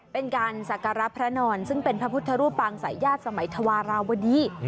เป็นการสักการะพระนอนซึ่งเป็นพระพุทธรูปปางสายญาติสมัยธวาราวดี